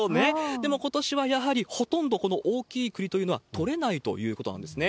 でも、ことしはやはりほとんどこの大きい栗というのは取れないということなんですよね。